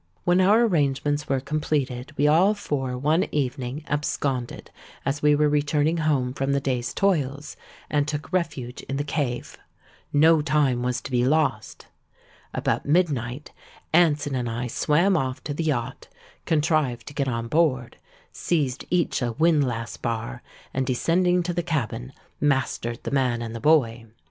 When our arrangements were completed, we all four one evening absconded as we were returning home from the day's toils, and took refuge in the cave. No time was to be lost. About midnight, Anson and I swam off to the yacht, contrived to get on board, seized each a windlass bar, and, descending to the cabin, mastered the man and the boy.